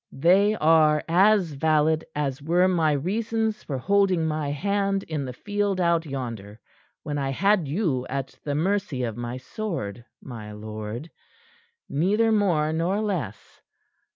"They are as valid as were my reasons for holding my hand in the field out yonder, when I had you at the mercy of my sword, my lord. Neither more nor less.